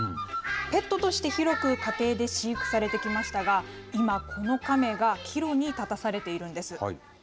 ペットとして広く家庭で飼育されてきましたが、今、このカメが岐路に立たされているんです。